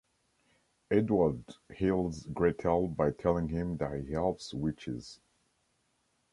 Edward heals Gretel by telling him that he helps witches.